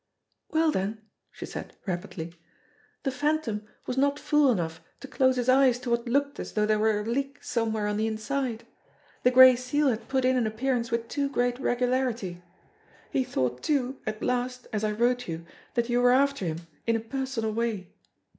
"Well, then," she said rapidly, "the Phantom was not fool enough to close his eyes to what looked as though there were a leak somewhere on the inside. The Gray Seal had put in an appearance with too great regularity. He thought, too, at last, as I wrote you, that you were after him in a personal way.